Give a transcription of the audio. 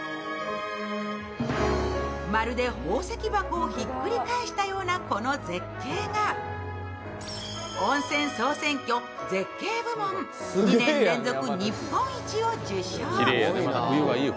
まるで宝石箱をひっくり返したようなこの絶景が温泉総選挙・絶景部門２年連続日本一を受賞。